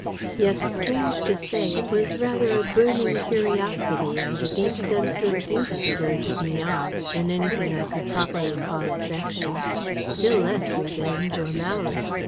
Yet, strange to say, it was rather a burning curiosity and a deep sense of duty that urged me on, than anything I could properly call affection still less, revenge or malice.